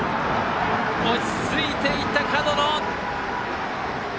落ち着いていた門野。